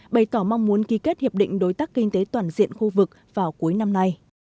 bày tỏ mong muốn ký kết hiệp định đối tác kinh tế toàn diện khu vực vào cuối năm nay